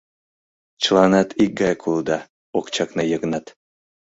— Чыланат икгаяк улыда, — ок чакне Йыгнат.